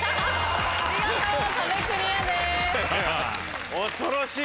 見事壁クリアです。